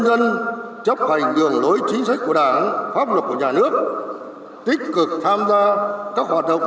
nhân chấp hành đường lối chính sách của đảng pháp luật của nhà nước tích cực tham gia các hoạt động